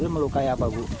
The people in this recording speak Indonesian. itu melukai apa bu